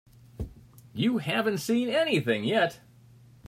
You haven't seen anything yet.